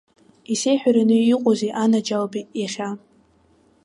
Исеиҳәараны иҟоузеи, анаџьалбеит, иахьа?